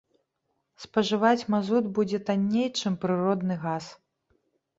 Спажываць мазут будзе танней, чым прыродны газ.